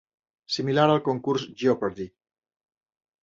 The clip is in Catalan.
Similar al concurs "Jeopardy!".